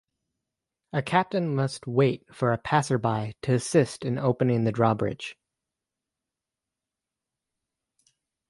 A captain must wait for a passer-by to assist in opening the drawbridge.